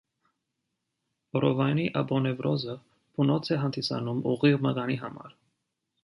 Որովայնի ապոնևրոզը բունոց է հանդիսանում ուղիղ մկանի համար։